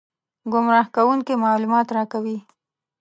ګمراه کوونکي معلومات راکوي.